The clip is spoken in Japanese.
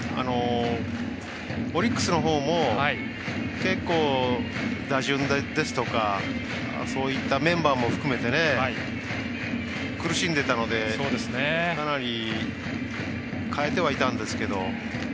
オリックスのほうも、結構打順ですとかそういったメンバーも含めて苦しんでいたのでかなり、変えてはいたんですけど。